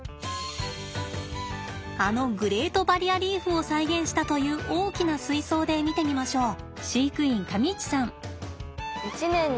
あのグレートバリアリーフを再現したという大きな水槽で見てみましょう。